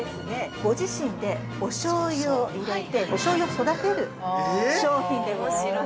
ご自身で、おしょうゆを入れておしょうゆを育てる商品でございます。